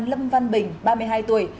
lâm văn bình ba mươi hai tuổi